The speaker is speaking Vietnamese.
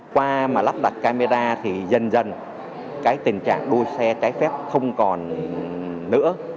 qua lắp đặt camera thì dần dần tình trạng đua xe trái phép không còn nữa